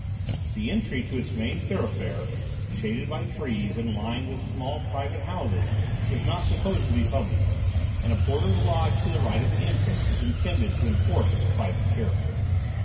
The entry to its main thoroughfare, shaded by trees and lined with small private houses, is not supposed to be public, and a porter's lodge to the right of the entrance is intended to enforce its private character.